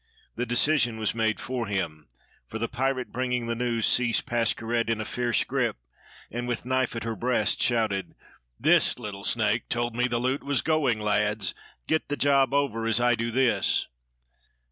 The decision was made for him; for the pirate bringing the news, seized Pascherette in a fierce grip, and with knife at her breast shouted: "This little snake told me the loot was going, lads! Get the job over, as I do this!"